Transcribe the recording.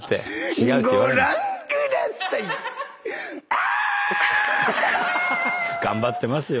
アーッ‼頑張ってますよ。